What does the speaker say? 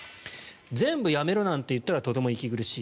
全部やめろなんて言ったらとても息苦しい。